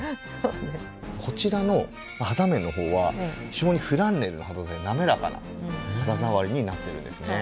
こちらの肌面の方は非常にフランネルな肌触りなめらかな肌触りになってるんですね。